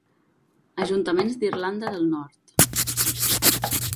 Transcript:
Ajuntaments d'Irlanda de Nord